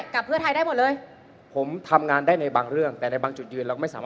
กลมนี้แหละครับ